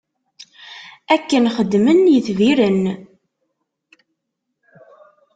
Akken xeddmen yetbiren.